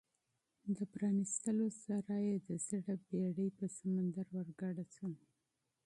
د پرانیستلو سره یې د زړه بېړۍ پر سمندر ورګډه شوه.